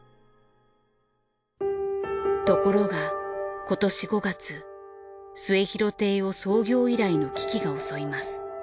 ところが今年５月『末廣亭』を創業以来の危機が襲います。